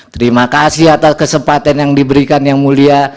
terima kasih atas kesempatan yang diberikan yang mulia